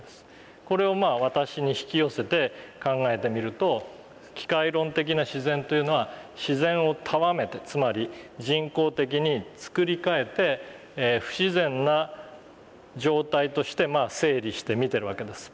これを私に引き寄せて考えてみると機械論的な自然というのは「自然をたわめて」つまり人工的に作り替えて不自然な状態として整理して見てるわけです。